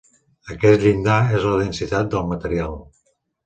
Aquest llindar és la densitat del material.